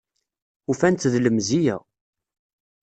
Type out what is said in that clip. Ufan-tt d lemziyya